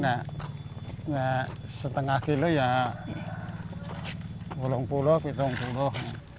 paling nah setengah kilo ya puluh puluh hitung puluh